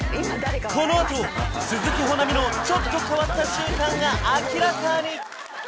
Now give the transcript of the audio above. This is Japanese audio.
このあと鈴木保奈美のちょっと変わった習慣が明らかに！